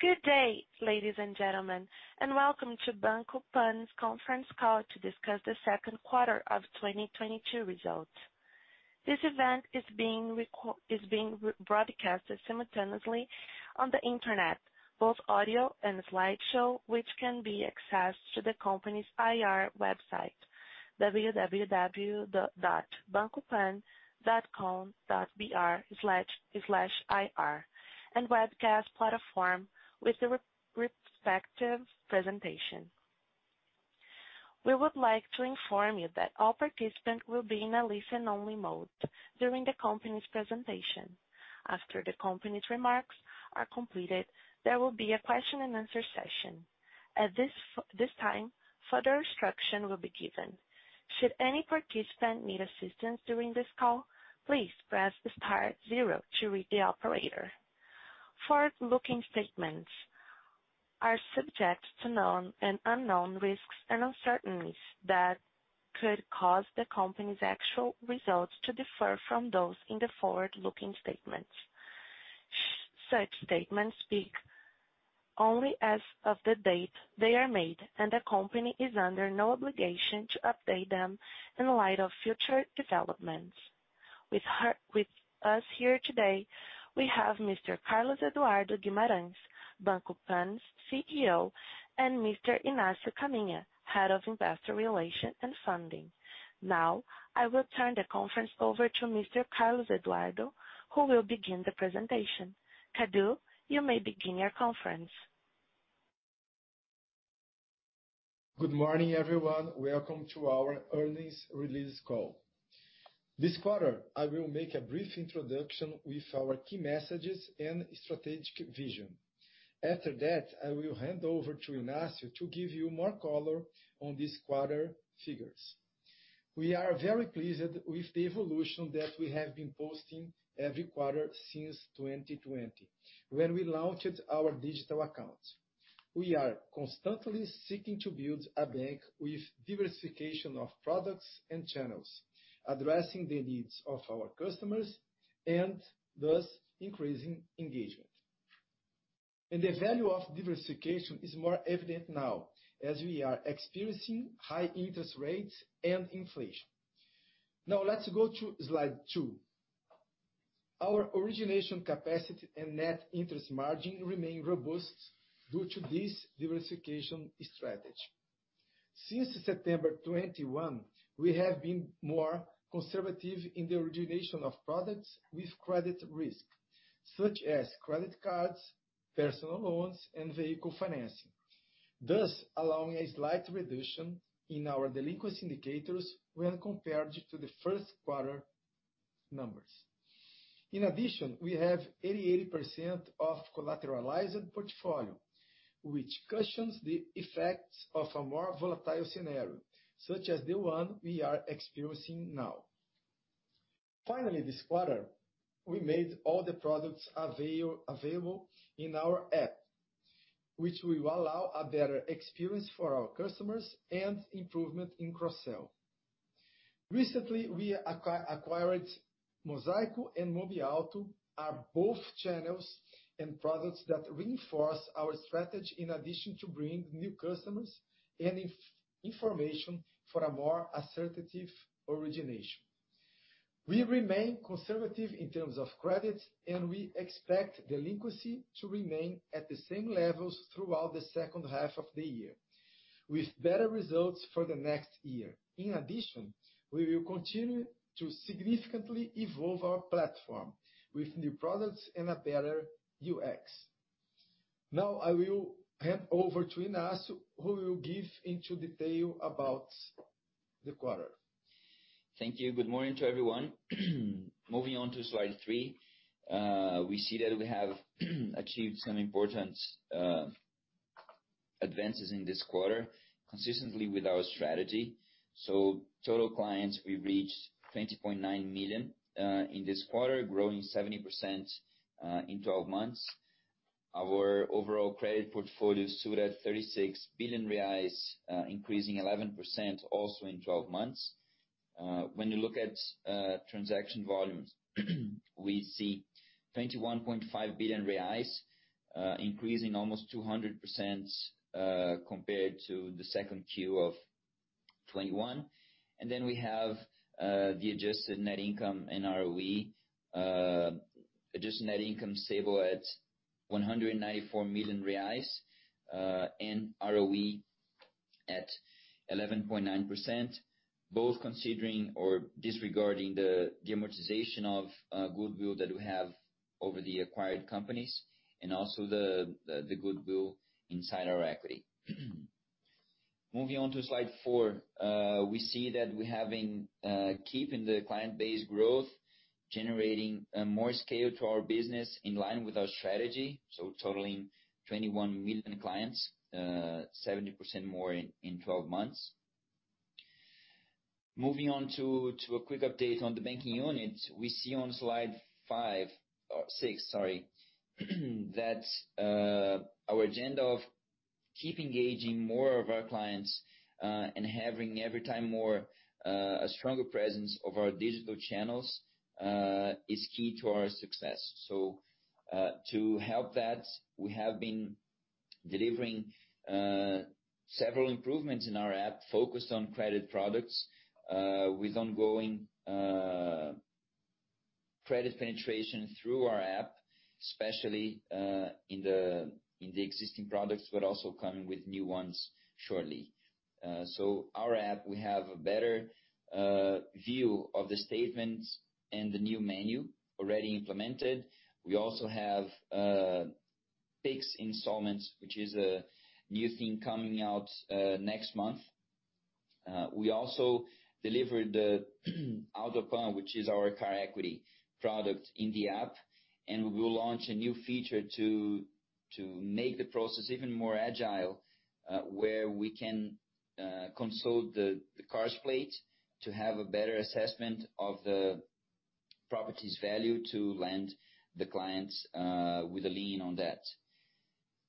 Good day ladies and gentlemen and welcome to Banco Pan's conference call to discuss the second quarter of 2022 results. This event is being rebroadcast simultaneously on the Internet, both audio and slideshow, which can be accessed through the company's IR website, www.bancopan.com.br/ri, and webcast platform with the respective presentation. We would like to inform you that all participants will be in a listen-only mode during the company's presentation. After the company's remarks are completed, there will be a question and answer session. At this time, further instruction will be given. Should any participant need assistance during this call, please press star zero to reach the operator. Forward-looking statements are subject to known and unknown risks and uncertainties that could cause the company's actual results to differ from those in the forward-looking statements. Such statements speak only as of the date they are made, and the company is under no obligation to update them in light of future developments. With us here today, we have Mr. Carlos Eduardo Guimarães, Banco Pan's CEO, and Mr. Inácio Caminha, Head of Investor Relations and Funding. Now, I will turn the conference over to Mr. Carlos Eduardo, who will begin the presentation. Cadu, you may begin your conference. Good morning everyone. Welcome to our earnings release call. This quarter, I will make a brief introduction with our key messages and strategic vision. After that, I will hand over to Inácio to give you more color on this quarter's figures. We are very pleased with the evolution that we have been posting every quarter since 2020, when we launched our digital account. We are constantly seeking to build a bank with diversification of products and channels, addressing the needs of our customers and thus increasing engagement. The value of diversification is more evident now as we are experiencing high interest rates and inflation. Now, let's go to slide two. Our origination capacity and net interest margin remain robust due to this diversification strategy. Since September 2021 we have been more conservative in the origination of products with credit risk, such as credit cards, personal loans, and vehicle financing, thus allowing a slight reduction in our delinquency indicators when compared to the first quarter numbers. In addition, we have 88% of collateralized portfolio, which cushions the effects of a more volatile scenario, such as the one we are experiencing now. Finally, this quarter, we made all the products available in our app, which will allow a better experience for our customers and improvement in cross-sell. Recently, we acquired Mosaico and Mobiauto, are both channels and products that reinforce our strategy in addition to bring new customers and information for a more assertive origination. We remain conservative in terms of credit, and we expect delinquency to remain at the same levels throughout the second half of the year with better results for the next year. In addition, we will continue to significantly evolve our platform with new products and a better UX. Now I will hand over to Inácio, who will give into detail about the quarter. Thank you. Good morning to everyone. Moving on to slide three, we see that we have achieved some important advances in this quarter consistently with our strategy. Total clients, we reached 20.9 million in this quarter, growing 70% in twelve months. Our overall credit portfolio stood at 36 billion reais, increasing 11% also in twelve months. When you look at transaction volumes, we see 21.5 billion reais, increasing almost 200% compared to the second Q of 2021. We have the adjusted net income and ROE. Adjusted net income stable at 194 million reais, and ROE at 11.9%, both considering or disregarding the amortization of goodwill that we have over the acquired companies and also the goodwill inside our equity. Moving on to slide four, we see that we have been keeping the client base growth, generating more scale to our business in line with our strategy. Totaling 21 million clients, 70% more in 12 months. Moving on to a quick update on the banking unit. We see on slide five, or six, sorry, that Keep engaging more of our clients, and having every time more a stronger presence of our digital channels is key to our success. To help that, we have been delivering several improvements in our app focused on credit products with ongoing credit penetration through our app, especially in the existing products, but also coming with new ones shortly. Our app, we have a better view of the statements and the new menu already implemented. We also have Pix installments, which is a new thing coming out next month. We also delivered the Autopan, which is our car equity product in the app, and we will launch a new feature to make the process even more agile, where we can consult the car's plate to have a better assessment of the property's value to lend the clients with a lien on that.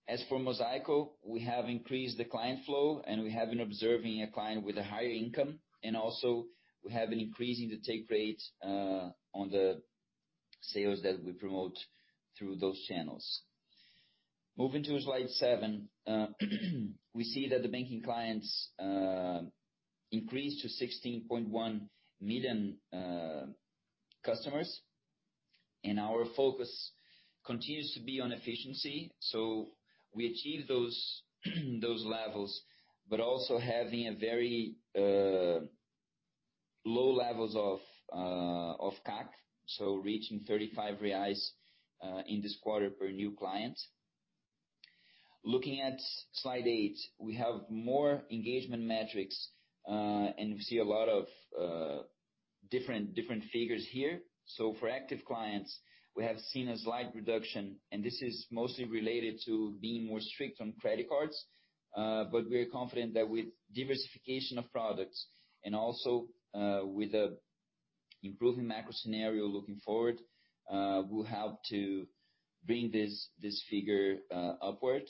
As for Mosaico, we have increased the client flow, and we have been observing a client with a higher income, and also we have been increasing the take rate on the sales that we promote through those channels. Moving to slide seven, we see that the banking clients increased to 16.1 million customers. Our focus continues to be on efficiency, so we achieve those levels, but also having a very low levels of CAC, so reaching 35 reais in this quarter per new client. Looking at slide eight, we have more engagement metrics, and we see a lot of different figures here. For active clients, we have seen a slight reduction, and this is mostly related to being more strict on credit cards. We are confident that with diversification of products and also with the improving macro scenario looking forward, we'll have to bring this figure upward.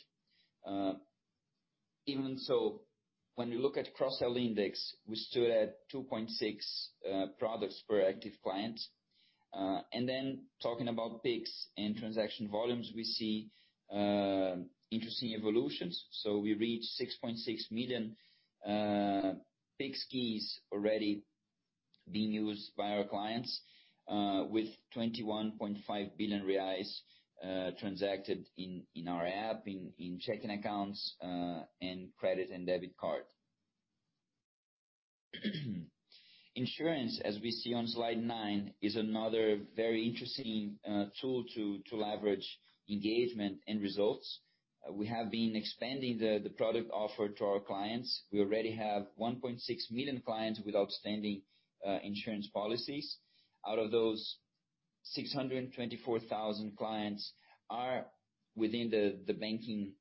Even so, when we look at cross-sell index, we stood at 2.6 products per active client. Talking about Pix and transaction volumes, we see interesting evolutions. We reached 6.6 million Pix keys already being used by our clients with 21.5 billion reais transacted in our app, in checking accounts, and credit and debit card. Insurance, as we see on slide nine, is another very interesting tool to leverage engagement and results. We have been expanding the product offer to our clients. We already have 1.6 million clients with outstanding insurance policies. Out of those 624,000 clients are within the banking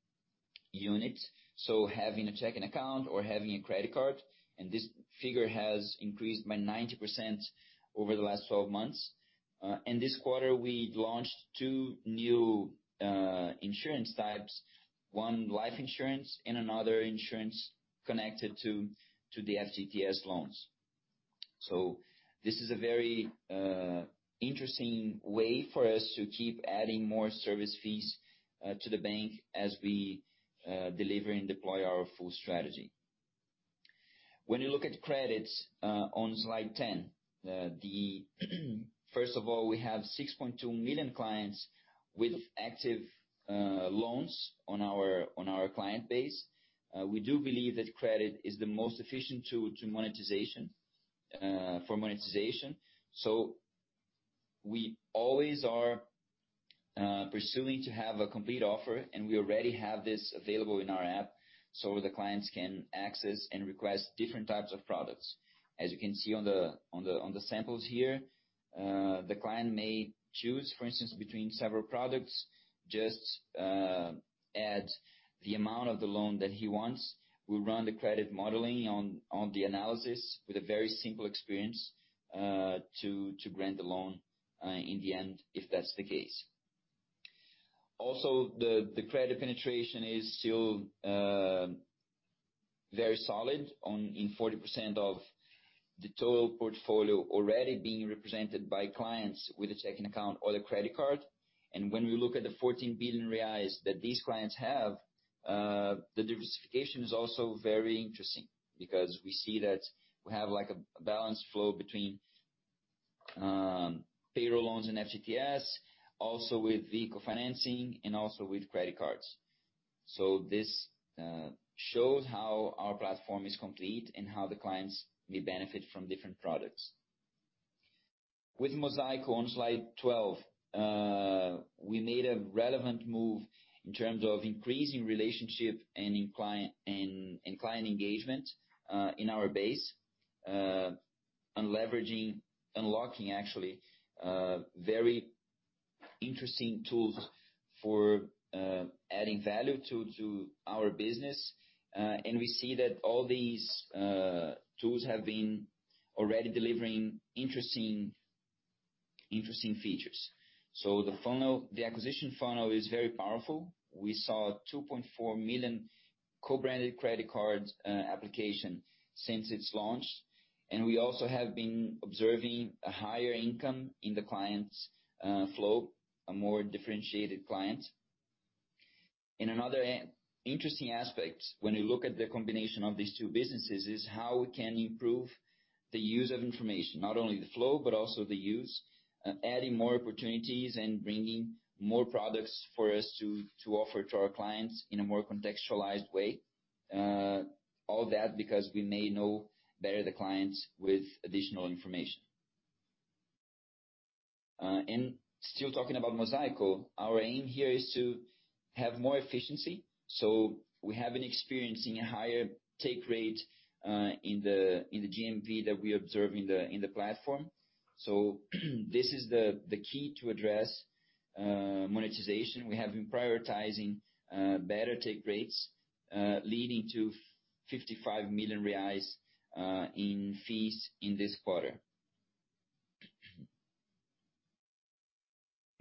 unit, so having a checking account or having a credit card, and this figure has increased by 90% over the last 12 months. In this quarter, we launched two new insurance types, one life insurance and another insurance connected to the FGTS loans. This is a very interesting way for us to keep adding more service fees to the bank as we deliver and deploy our full strategy. When you look at credit on slide 10, first of all, we have 6.2 million clients with active loans on our client base. We do believe that credit is the most efficient tool to monetization for monetization. We always are pursuing to have a complete offer, and we already have this available in our app so the clients can access and request different types of products. As you can see on the samples here, the client may choose, for instance, between several products, just add the amount of the loan that he wants. We run the credit modeling on the analysis with a very simple experience to grant the loan in the end, if that's the case. Also, the credit penetration is still very solid in 40% of the total portfolio already being represented by clients with a checking account or a credit card. When we look at the 14 billion reais that these clients have, the diversification is also very interesting because we see that we have like a balanced flow between payroll loans and FGTS, also with vehicle financing and also with credit cards. This shows how our platform is complete and how the clients may benefit from different products. With Mosaico on slide 12, we made a relevant move in terms of increasing relationship and in client engagement in our base, unleveraging, unlocking actually very interesting tools for adding value to our business. We see that all these tools have been already delivering interesting features. The funnel, the acquisition funnel is very powerful. We saw 2.4 million co-branded credit cards application since its launch. We also have been observing a higher income in the clients' flow, a more differentiated client. Another interesting aspect when we look at the combination of these two businesses is how we can improve the use of information. Not only the flow, but also the use. Adding more opportunities and bringing more products for us to offer to our clients in a more contextualized way. All that because we may know better the clients with additional information. Still talking about Mosaico, our aim here is to have more efficiency, so we have been experiencing a higher take rate in the GMV that we observe in the platform. This is the key to address monetization. We have been prioritizing better take rates, leading to 55 million reais in fees in this quarter.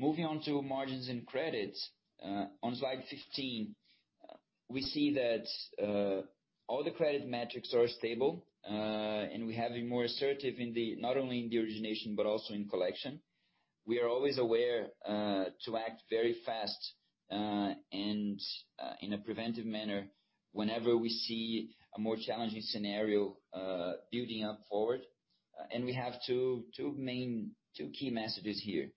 Moving on to margins and credits. On slide 15, we see that all the credit metrics are stable. We have been more assertive in the not only in the origination, but also in collection. We are always aware to act very fast and in a preventive manner whenever we see a more challenging scenario building up forward. We have two key messages here.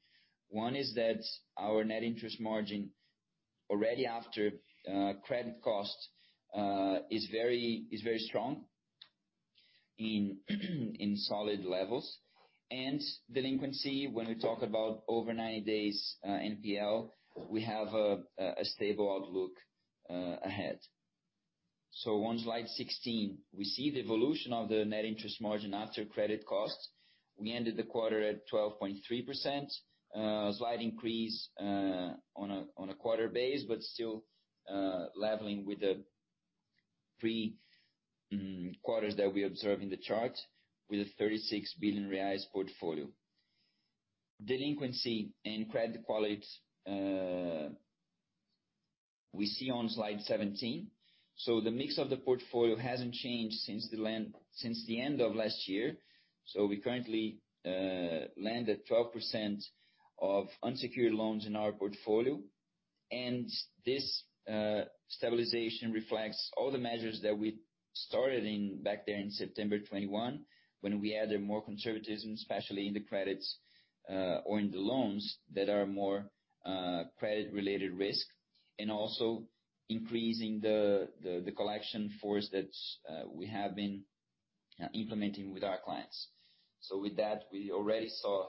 One is that our net interest margin already after credit costs is very strong in solid levels. Delinquency, when we talk about over 90 days NPL, we have a stable outlook ahead. On slide 16, we see the evolution of the net interest margin after credit costs. We ended the quarter at 12.3%. A slight increase on a quarter basis, but still leveling with the three quarters that we observe in the chart with a 36 billion reais portfolio. Delinquency and credit quality we see on slide 17. The mix of the portfolio hasn't changed since the end of last year. We currently land at 12% of unsecured loans in our portfolio. This stabilization reflects all the measures that we started back then in September 2021, when we added more conservatism, especially in the credits or in the loans that are more credit-related risk, and also increasing the collection force that we have been implementing with our clients. With that we already saw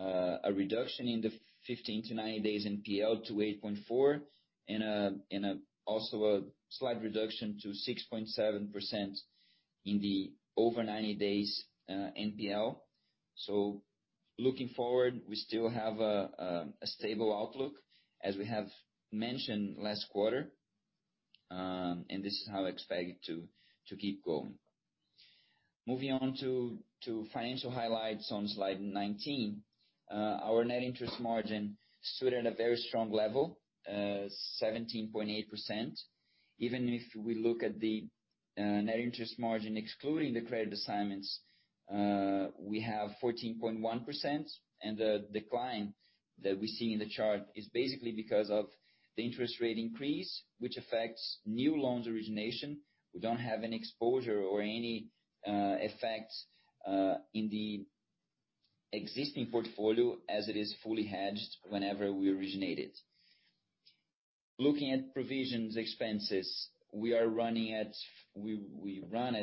a reduction in the 15-90 days NPL to 8.4 and also a slight reduction to 6.7% in the over 90 days NPL. Looking forward, we still have a stable outlook, as we have mentioned last quarter. This is how I expect it to keep going. Moving on to financial highlights on slide 19. Our net interest margin stood at a very strong level, 17.8%. Even if we look at the net interest margin excluding the credit assignments, we have 14.1%. The decline that we see in the chart is basically because of the interest rate increase, which affects new loans origination. We don't have any exposure or any effect in the existing portfolio as it is fully hedged whenever we originate it. Looking at provisions expenses, we run at 5.2%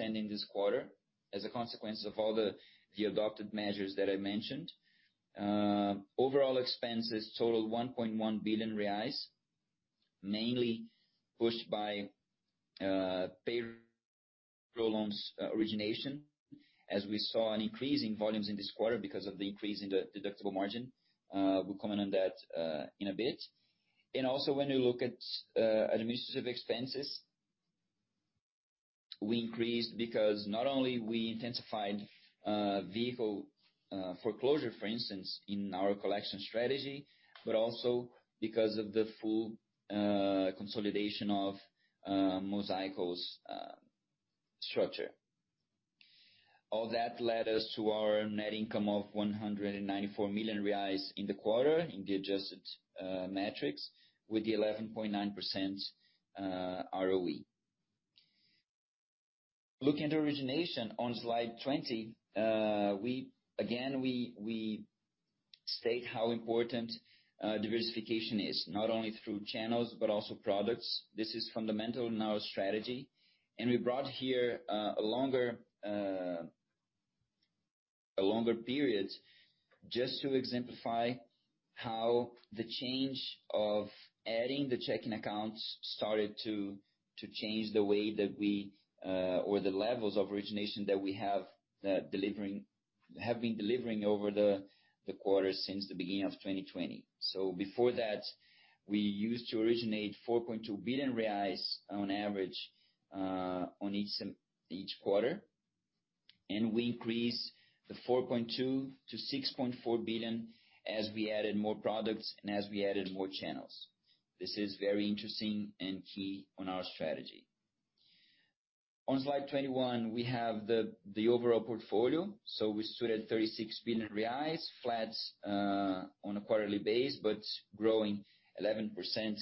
in this quarter as a consequence of all the adopted measures that I mentioned. Overall expenses total 1.1 billion reais, mainly pushed by payroll loans origination, as we saw an increase in volumes in this quarter because of the increase in the deductible margin. We'll comment on that in a bit. Also, when you look at administrative expenses, we increased because not only we intensified vehicle foreclosure, for instance, in our collection strategy, but also because of the full consolidation of Mosaico's structure. All that led us to our net income of 194 million reais in the quarter in the adjusted metrics with the 11.9% ROE. Looking at origination on slide 20. We again state how important diversification is, not only through channels, but also products. This is fundamental in our strategy. We brought here a longer period just to exemplify how the change of adding the checking accounts started to change the way that we or the levels of origination that we have been delivering over the quarter since the beginning of 2020. Before that we used to originate 4.2 billion reais on average on each each quarter. We increased the 4.2 to 6.4 billion as we added more products and as we added more channels. This is very interesting and key on our strategy. On slide 21, we have the overall portfolio. We stood at 36 billion reais, flat, on a quarterly base, but growing 11%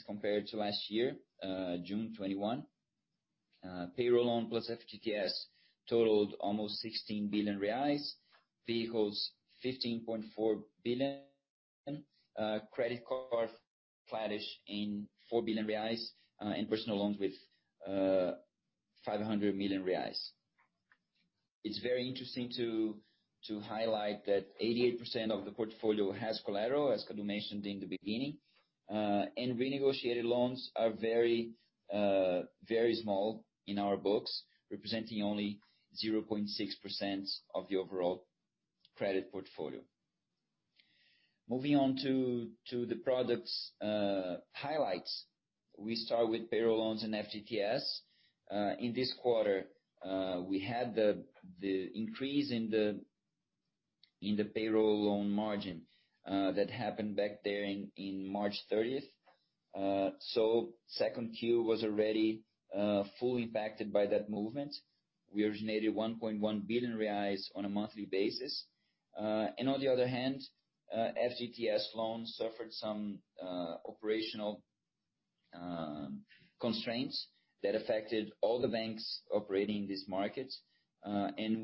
compared to last year, June 2021. Payroll loan plus FGTS totaled almost 16 billion reais. Vehicles 15.4 billion. Credit card flattish in 4 billion reais. And personal loans with 500 million reais. It's very interesting to highlight that 88% of the portfolio has collateral, as Cadu mentioned in the beginning. Renegotiated loans are very very small in our books, representing only 0.6% of the overall credit portfolio. Moving on to the products highlights. We start with payroll loans and FGTS. In this quarter, we had the increase in the payroll loan margin that happened back there in March 30th. Second Q was already fully impacted by that movement. We originated 1.1 billion reais on a monthly basis. On the other hand, FGTS loans suffered some operational constraints that affected all the banks operating these markets.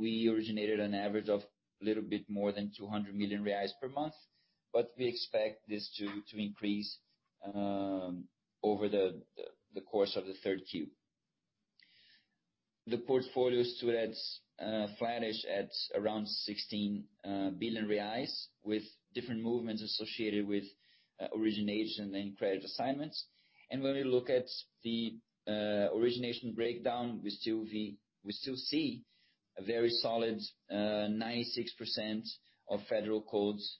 We originated an average of a little bit more than 200 million reais per month, but we expect this to increase over the course of the third Q. The portfolio stood at flattish at around 16 billion reais with different movements associated with origination and credit assignments. When we look at the origination breakdown, we still see a very solid 96% of federal codes,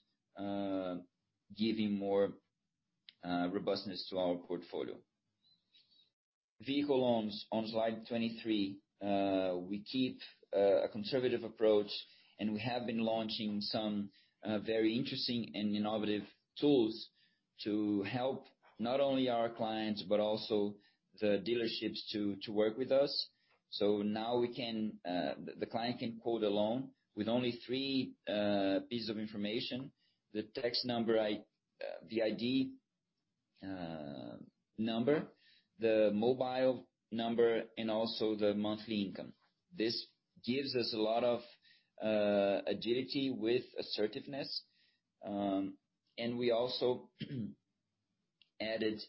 giving more robustness to our portfolio. Vehicle loans on slide 23. We keep a conservative approach, and we have been launching some very interesting and innovative tools to help not only our clients, but also the dealerships to work with us. Now the client can quote a loan with only three pieces of information: the tax number, the ID number, the mobile number, and also the monthly income. This gives us a lot of agility with assertiveness. We also added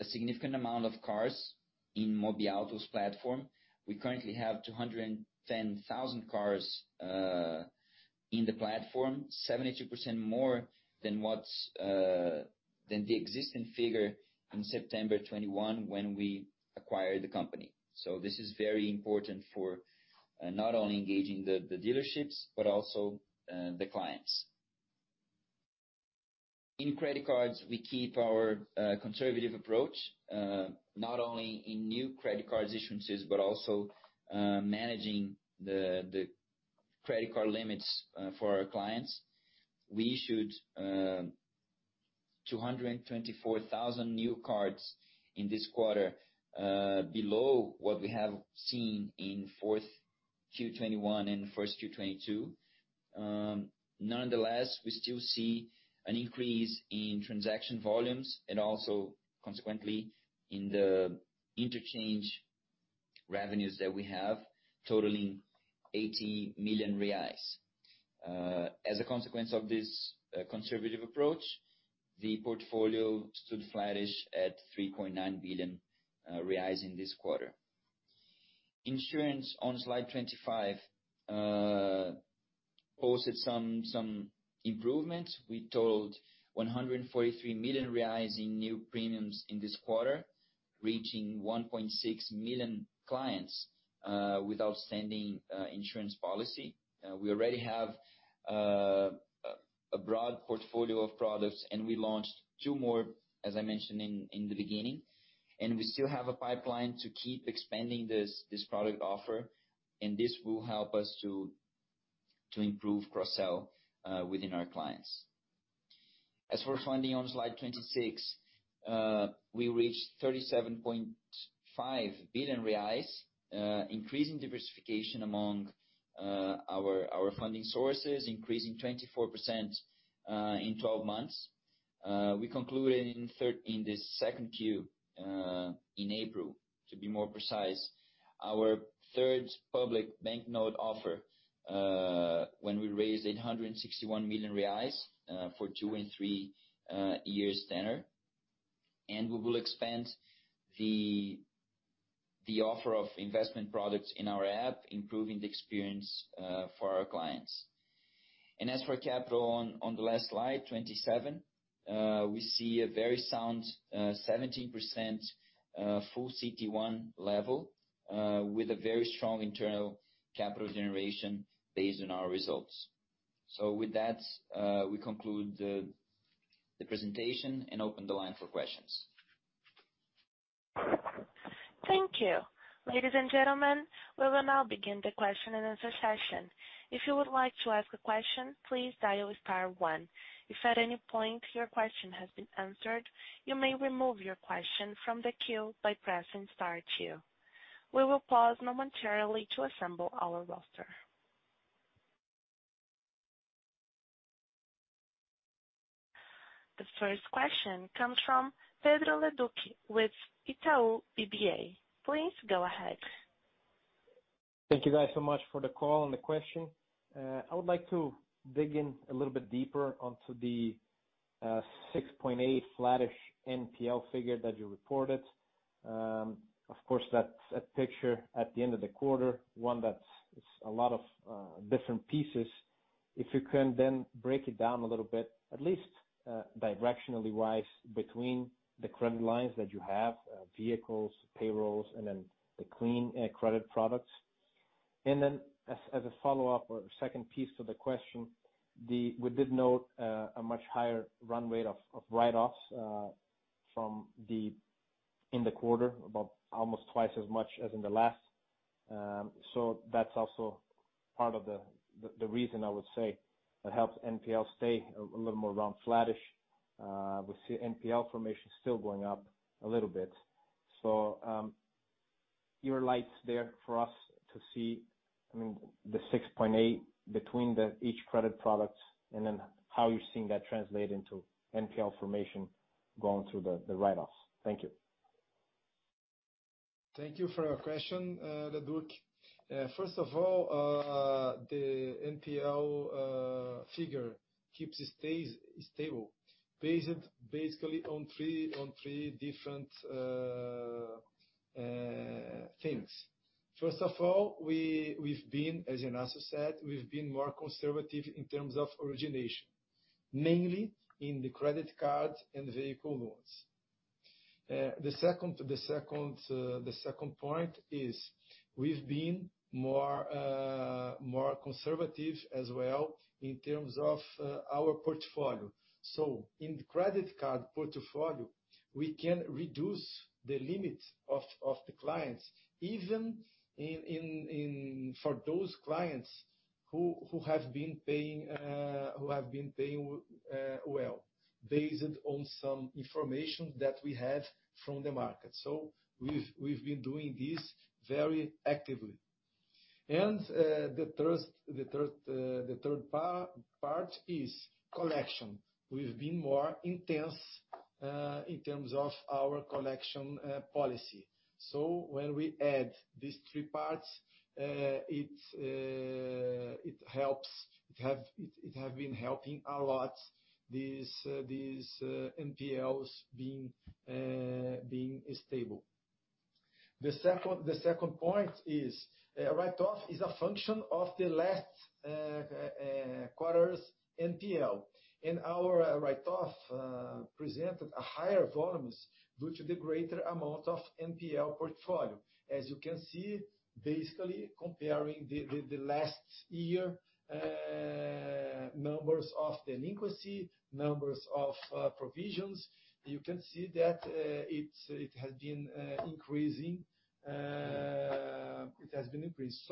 a significant amount of cars in Mobiauto's platform. We currently have 210,000 cars in the platform, 72% more than the existing figure in September 2021 when we acquired the company. This is very important for not only engaging the dealerships, but also the clients. In credit cards, we keep our conservative approach, not only in new credit card issuances, but also managing the credit card limits for our clients. We issued 224,000 new cards in this quarter, below what we have seen in fourth Q 2021 and first Q 2022. Nonetheless, we still see an increase in transaction volumes and also consequently in the interchange revenues that we have totaling 80 million reais. As a consequence of this conservative approach, the portfolio stood flattish at 3.9 billion reais in this quarter. Insurance on slide 25 posted some improvements. We totaled 143 million reais in new premiums in this quarter, reaching 1.6 million clients with outstanding insurance policy. We already have a broad portfolio of products, and we launched two more, as I mentioned in the beginning. We still have a pipeline to keep expanding this product offer, and this will help us to improve cross-sell within our clients. As for funding on slide 26, we reached 37.5 billion reais, increasing diversification among our funding sources, increasing 24% in 12 months. We concluded in the second Q, in April, to be more precise, our third public banknote offer, when we raised 861 million reais for 2- and 3-year tenor. We will expand the offer of investment products in our app, improving the experience for our clients. As for capital, on the last slide, 27, we see a very sound 17% full CET1 level, with a very strong internal capital generation based on our results. With that, we conclude the presentation and open the line for questions. Thank you. Ladies and gentlemen, we will now begin the question and answer session. If you would like to ask a question, please dial star one. If at any point your question has been answered, you may remove your question from the queue by pressing star two. We will pause momentarily to assemble our roster. The first question comes from Pedro Leduc with Itaú BBA. Please go ahead. Thank you guys so much for the call and the question. I would like to dig in a little bit deeper onto the 6.8% flattish NPL figure that you reported. Of course, that's a picture at the end of the quarter. It's a lot of different pieces. If you can then break it down a little bit, at least, directionally wise, between the credit lines that you have, vehicles, payrolls, and then the clean credit products. Then as a follow-up or second piece to the question, we did note a much higher run rate of write-offs from in the quarter, about almost twice as much as in the last. That's also part of the reason I would say that helps NPL stay a little more around flattish. We see NPL formation still going up a little bit. Your slides there for us to see, I mean, the 6.8% between each credit products, and then how you're seeing that translate into NPL formation going through the write-offs. Thank you. Thank you for your question, Leduc. First of all, the NPL figure stays stable based basically on three different things. First of all, we've been, as Inácio said, more conservative in terms of origination, mainly in the credit card and vehicle loans. The second point is we've been more conservative as well in terms of our portfolio. So in the credit card portfolio, we can reduce the limit of the clients, even for those clients who have been paying well, based on some information that we have from the market. So we've been doing this very actively. The third part is collection. We've been more intense in terms of our collection policy. When we add these three parts, it helps. It have been helping a lot, these NPLs being stable. The second point is write-off is a function of the last quarter's NPL. Our write-off presented a higher volumes due to the greater amount of NPL portfolio. As you can see, basically comparing the last year numbers of delinquency, numbers of provisions, you can see that it has been increasing. It has been increased.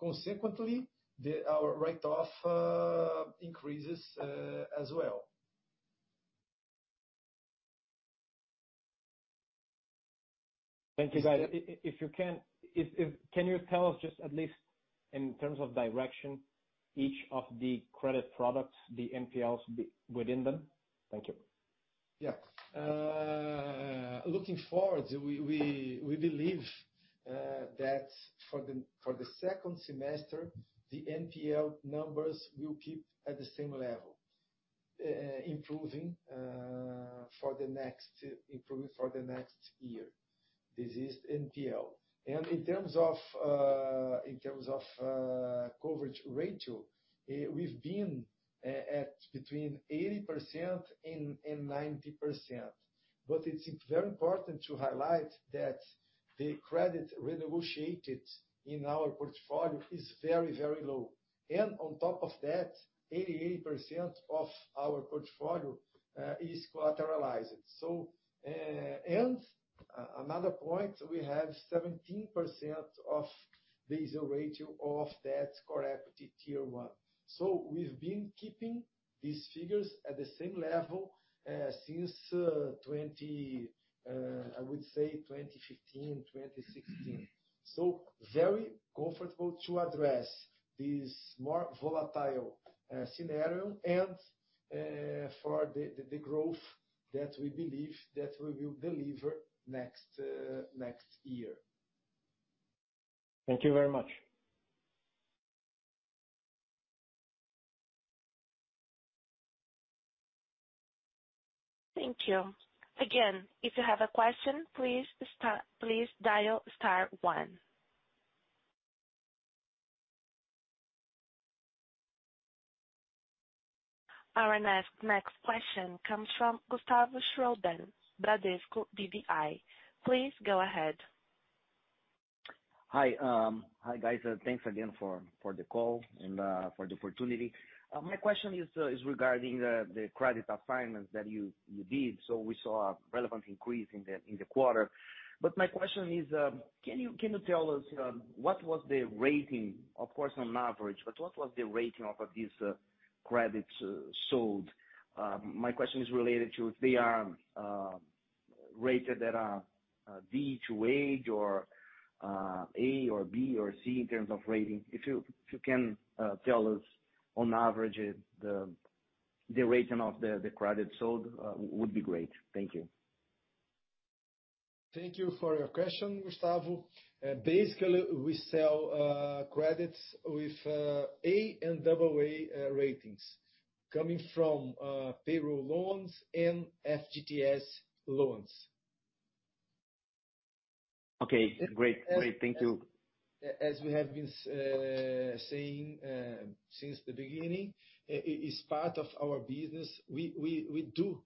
Consequently, our write-off increases as well. Thank you guys. If you can you tell us just at least in terms of direction, each of the credit products, the NPLs within them? Thank you. Yeah. Looking forward we believe that for the second semester, the NPL numbers will keep at the same level, improving for the next year. This is NPL. In terms of coverage ratio, we've been at between 80% and 90%. It is very important to highlight that the credit renegotiated in our portfolio is very low. On top of that, 88% of our portfolio is collateralized. Another point, we have 17% of the ratio of that Core Equity Tier 1. We've been keeping these figures at the same level since, I would say, 2015, 2016. Very comfortable to address this more volatile scenario and for the growth that we believe that we will deliver next year. Thank you very much. Thank you. Again, if you have a question, please dial star one. Our next question comes from Gustavo Schroden, Bradesco BBI. Please go ahead. Hi. Hi guys. Thanks again for the call and for the opportunity. My question is regarding the credit assignments that you did. We saw a relevant increase in the quarter. My question is, can you tell us what was the rating, of course on average, but what was the rating of these credits sold? My question is related to if they are rated at D to H or A or B or C in terms of rating. If you can tell us on average the rating of the credits sold, would be great. Thank you. Thank you for your question, Gustavo. Basically, we sell credits with A and double A ratings coming from payroll loans and FGTS loans. Okay great. Great. Thank you. As we have been saying since the beginning, it is part of our business. We do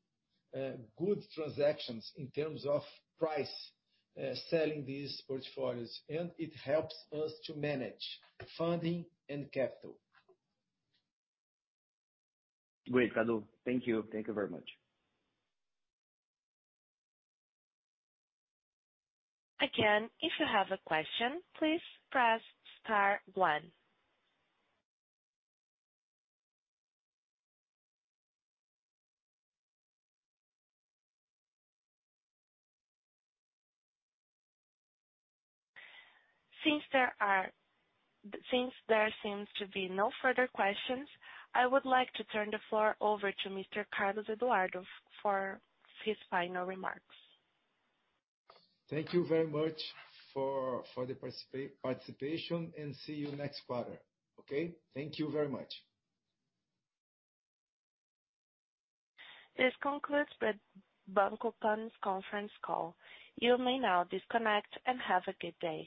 good transactions in terms of price, selling these portfolios, and it helps us to manage funding and capital. Great Cadu. Thank you. Thank you very much. Again, if you have a question, please press star one. Since there seems to be no further questions, I would like to turn the floor over to Mr. Carlos Eduardo for his final remarks. Thank you very much for the participation, and see you next quarter. Okay? Thank you very much. This concludes the Banco Pan conference call. You may now disconnect and have a good day.